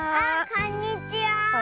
こんにちは。